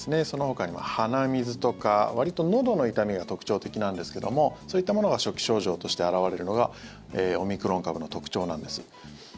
そのほかにも鼻水とかわりとのどの痛みが特徴的なんですけどもそういったものが初期症状として表れるのがオミクロン株の特徴なんです。